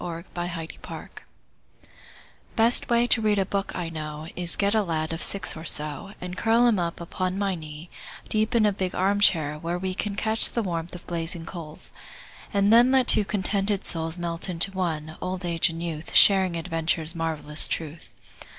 Best Way to Read a Book Best way to read a book I know Is get a lad of six or so, And curl him up upon my knee Deep in a big arm chair, where we Can catch the warmth of blazing coals, And then let two contented souls Melt into one, old age and youth, Sharing adventure's marvelous truth.